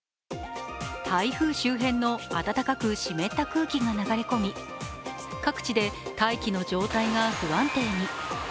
台風周辺の暖かく湿った空気が流れ込み各地で大気の状態が不安定に。